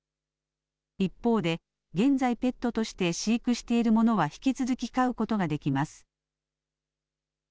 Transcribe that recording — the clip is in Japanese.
一方で現在、ペットとして飼育しているものは引き続き飼うことができます。